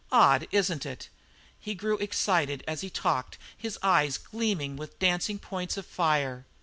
Odd, isn't it?" He grew excited as he talked, his eyes gleaming with dancing points of fire.